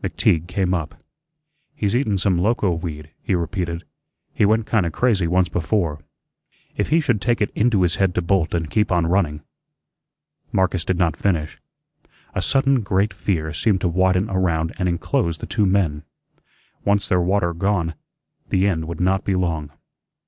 McTeague came up. "He's eatun some loco weed," he repeated. "He went kinda crazy once before." "If he should take it into his head to bolt and keep on running " Marcus did not finish. A sudden great fear seemed to widen around and inclose the two men. Once their water gone, the end would not be long.